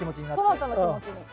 トマトの気持ちに。